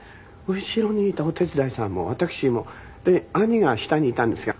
後ろにいたお手伝いさんも私もで兄が下にいたんですが。